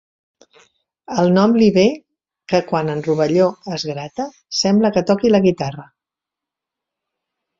El nom li ve que quan en Rovelló es grata sembla que toqui la guitarra.